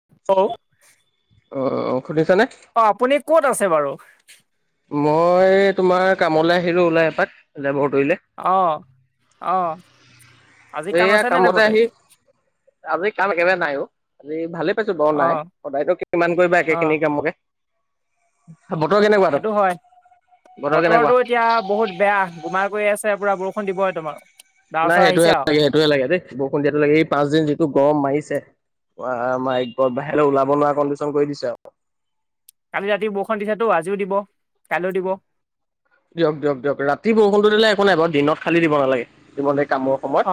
Hello. অ' অ' শুনিছা নে। অ আপুনি ক'ত আছে বাৰু। মই তোমাৰ কামলৈ আহিলো ওলাই এপাক লেবট। অহ' অহ'। এয়া কামতে আহি আজি কাম একেবাৰে নাই। আজি ভালেই পাইছো বাৰু অ নাই। সদায়তো কিমান কৰিবা অ একে খিনি কামকে। বতৰ কেনেকুৱা তাত সেইটো হয়, বতৰ কেনেকুৱা বতৰটো এতিয়া বহুত বেয়া গোমাই কৰি আছে। [unintelligible] বৰষুণ দিব পোৰা তোমাৰ। ডাৱৰ নাই চাৱৰ সেইটোয়ে আহিছে আৰু লাগে, সেইটোয়ে লাগে দেই, বৰষুণ দিয়াটো লাগে, এই পাঁচ দিন যিটো গৰম মাৰিছে। বা মাইগড বাহিৰলৈ ওলাব নোৱাৰা কণ্ডিশন কৰি দিছে আ কালি ৰাতি বৰষুণ দিছেতো আজিও দিব কাইলৈ দিব দিয়ক দিয়ক দিয়ক ৰাতি বৰষুণটো দিলে একো নাই বাৰু দিনত খালি দিব নালাগে কামৰ সময়ত অ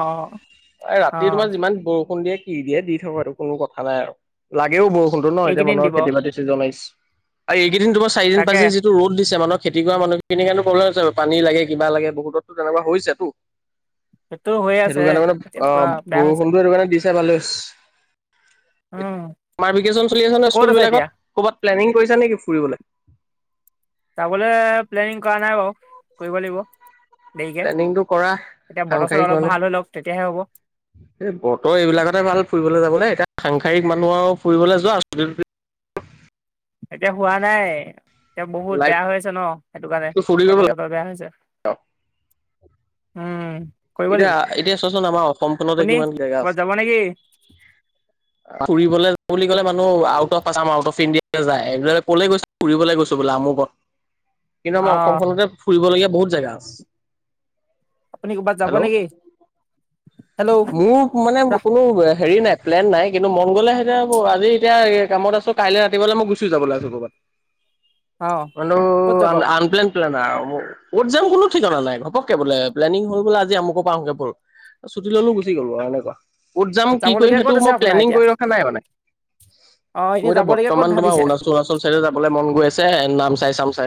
অ ৰাতি তোমাৰ যিমান বৰষুণ দিয়ে কি দিয়ে দি থব আৰু কোনো কথা নাই আৰু লাগেও বৰষুণ টো ন এয়া এইকেইদিন মানৰ দিব খেতি বাতি চিজনে আৰু এইকেইদিন তোমাৰ চাৰিদিন তাকে পাঁচদিন যিটো ৰ'দ দিছে মানৰ খেতি কৰা মানুহখিনি আৰু প্ৰবলেম হৈছে পানী লাগে কিবা লাগে বহুতো তেনেকুৱা হৈছেতো সেইটো হৈ হেইটো আছে কাৰণে মানে এতিয়া অ পুৰা বেয়া হৈছে বৰষুণতটো সেইটো কাৰণে দি দে ভালে হৈছে উম চামাভেকেচন চলি আছে ন ক'ত স্কুল বিলাকত এতিয়া ক'বাত প্লেনিং কৰিছা নেকি ফুৰিবলৈ চাবলৈ প্লেনিং কৰা নাই বাৰু কৰিব লাগিব দেৰিকে প্লেনিংটো কৰা এতিয়া বতৰ চতৰ সাংসাৰিক অলপ মানুহ ভাল হৈ লওক তেতিয়াহে হ'ব এই বতৰ এইবিলাকতহে ভাল ফুৰিবলৈ যাব এতিয়া সাংসাৰিক মানুহৰ ফুৰিবলৈ যোৱা এতিয়া হোৱা নাই এতিয়া বহুত বেয়া লাইফটো হৈ আছে ন সেইটো কাৰণে বতৰ চতৰ বেয়া হৈছে অ উম কৰিব এতিয়া লাগিব এতিয়া চোৱাচোন আমাৰ অসমখনতে আপুনি কিমান জেগা ক'ৰবাত আছে যাব নেকি ফুৰিবলে যাওঁ বুলি ক'লে ম out of Assam out of India যায় ক'লে গৈছো ফুৰিবলৈ গৈছো বোলে আমুকত কিন্তু অ আমাৰ অসমখনতে ফুৰিবলগীয়া বহুত জেগা আছে আপুনি ক'বাত যাব হেল্ল' নেকি হেল্ল' মোৰ মানে ৰাহ কোনো হেৰি নাই প্লেন নাই কিন্তু মন গ'লে এতিয়া আজি এতিয়া কামত আছো কাইলৈ ৰাতিপুৱা মই গুচি যাবলৈ পাৰো কৰ'বাত অ বোলো ক'ত যাব আপুনি আন প্লেন প্লেন আৰু কত যাম কোনো ঠিকনা নাই ঘপকে বোলে প্লেনিং হল বোলে আজি আমুকৰ পা আহোগৈ বল টি ল'লো গুচি গ'লো আৰু এনেকুৱা ক'ত যাম কি কৰিম যাবলগীয়া সেইটো ক'ত আছে মই আপোনাৰ প্লেনিং এতিয়া কৰি ৰখা নাই মানে অ এনে মোৰ এতিয়া যাবলগীয়া ক'ত বৰ্তমান তোমাৰ ভাবিছে অৰুণাচল অৰুণাচল চাইডে যাবলৈ মন গৈ আছে নাম চাই চাম চাই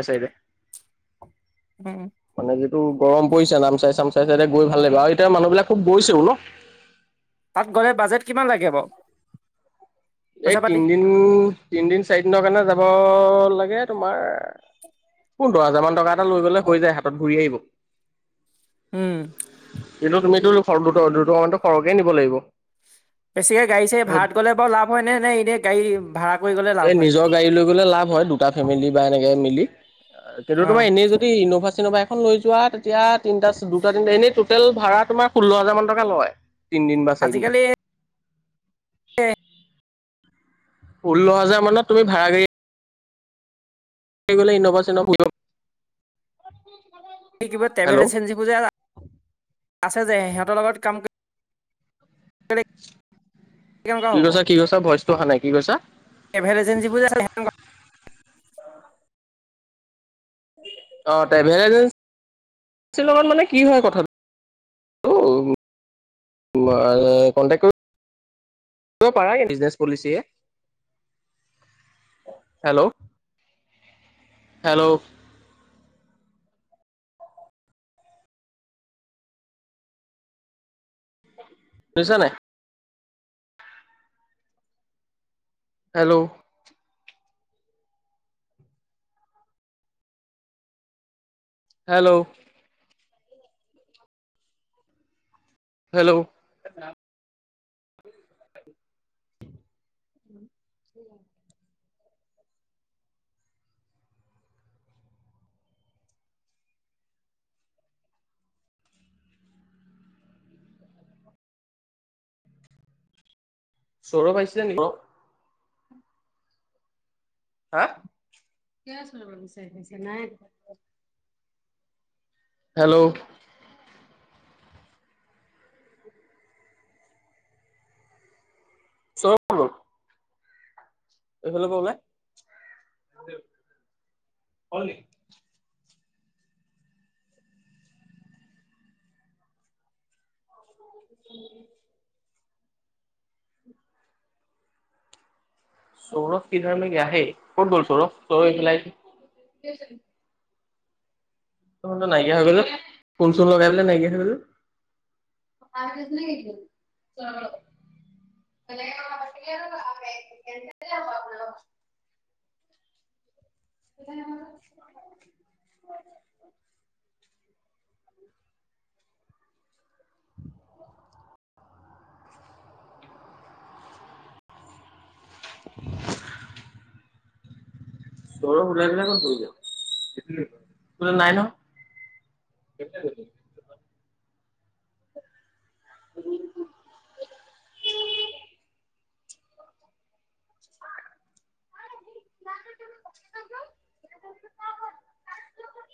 উম মানে যিটো গৰম পৰিছে নাম চাই চামচাই চাই চ গৈ ভাল লাগিব আৰু এতিয়া মানুহবিলাক খুব গৈছেও ন তাত গ'লে বাজেট কিমান লাগিব এই তিনদিন তিনদিন চাৰিদিনৰ কাৰণে যাব লাগে তোমাৰ পোন্ধৰ হাজাৰ মান টকা এটা লৈ গলে হৈ যায় হাতত ঘূৰি আহিব উম কিন্তু তুমিতো দুট দুটকা মানতো সৰহকে নিব লাগিব বেছিকে গাড়ী চাৰি ভাড়াত গ'লে বাৰু লাভ হয় নে মানে এনে গাড়ী ভাড়া কৰি গ'লে লাভ এই হয় নিজৰ গাড়ী লৈ লাভ হয় দুটা ফেমেলি বা হেনেকে মিলি কিন্তু অ তোমাৰ এনেই যদি ইনোভা চনেবাইখন লৈ যোৱা তেতিয়া তিনি দুটা তিনটা এনেই টটেল ভাড়া তোমাৰ ষোল্ল হাজাৰ মান টকা লয় তিনিদিন বা চাৰিদিন এ ষোল্ল হাজাৰ মানত তুমি ভাড়া গাড়ী গলে ইন'ভা চিনভা কিবা ট্ৰেভেল হেল্ল' এজেঞ্চিবোৰ যে আছে যে সিহঁতৰ লগত কাম কৰি কেনেকুৱা কি হ'ব কৈছা কি কৈছা ভইচটো অহা নাই কি কৈছা ট্ৰেভেল এজেঞ্চি বুলি আ অ ট্ৰেভেল এজেঞ্চি লগত মানে কি হয় কথাটো উউম' এই কণ্টেক্টো তই পাৰা বিজনেচ পলিচে হেল্ল' হেল্ল' লৈছানে নাই হেল্ল' হেল্ল' হেল্ল' উ চৰো পাইছিলে নেকি অ হ ক চ বিচ নাই হেল্ল' চ এইফাললে বলে অ উ চৌৰভ কিধাৰ মেে আহ ক'ত গ'ল চৌৰভ চৌৰভ তোনটো নাইকিয়া হৈ গ'লো ফুল চুল লগাই পাই নাইকিয়া হৈ গলো [inaudible] [inaudible] [inaudible] [inaudible] [unintelligible] [unintelligible] তৰ ওলাই পাক ক যাবো নাই ন কেইটা? উ', উ' আম [inaudible]